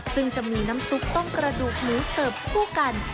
ซึ่งจะมีน้ำซุปต้มกระดูกหมูเสิร์ฟคู่กัน